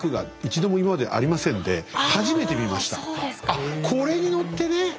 あっこれに乗ってね。